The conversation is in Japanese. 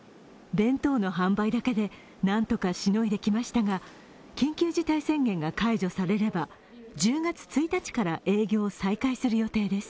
弁当の販売だけでなんとかしのいできましたが緊急事態宣言が解除されれば１０月１日から営業を再開する予定です。